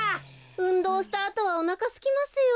うんどうしたあとはおなかすきますよ。